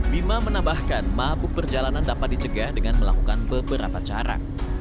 bima menambahkan mabuk perjalanan dapat dicegah dengan melakukan beberapa cara